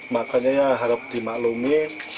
makanya ya harap dimaklumi